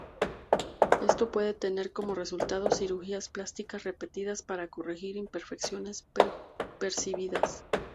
Esto puede tener como resultado cirugías plásticas repetidas para corregir imperfecciones percibidas.